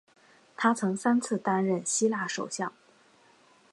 他曾三次担任希腊首相。